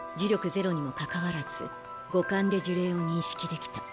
ゼロにもかかわらず五感で呪霊を認識できた。